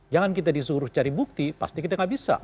jangan kita disuruh cari bukti pasti kita nggak bisa